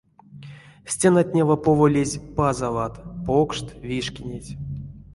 Стенатнева поволезь пазават, покшт, вишкинеть.